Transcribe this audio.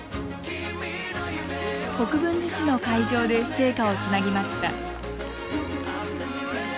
国分寺市の会場で聖火をつなぎました。